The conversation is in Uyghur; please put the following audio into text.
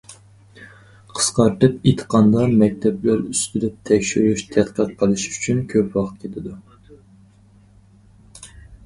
قىسقارتىپ ئېيتقاندا مەكتەپلەر ئۈستىدە تەكشۈرۈش تەتقىق قىلىش ئۈچۈن كۆپ ۋاقىت كېتىدۇ.